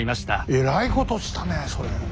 えらいことしたねそれ。